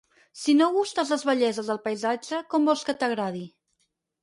Si no gustes les belleses del paisatge, com vols que t'agradi?